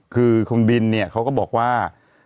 คือคุณบินเนี่ยเขาก็บอกว่า